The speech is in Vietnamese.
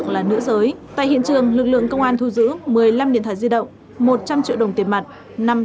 là nữ giới tại hiện trường lực lượng công an thu giữ một mươi năm điện thoại di động một trăm linh triệu đồng tiền mặt